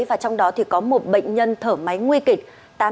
và trong đó thì có một bệnh nhân thở máy nguy kịch